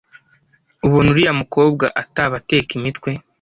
ubona uriya mukobwa ataba ateka imitwe